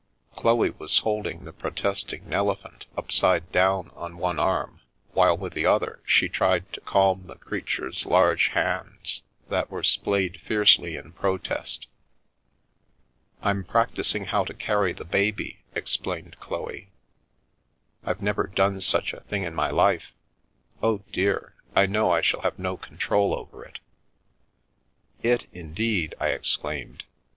Chloe was holding the protesting Nelephant upside down on one arm, while with the other she tried to calm the creature's large hands that were splayed fiercely in protest. " I'm practising how to carry the baby," explained Chloe. " I've never done such a thing in my life. Oh, dear, I know I shall have no control over it !""' It,' indeed !" I exclaimed.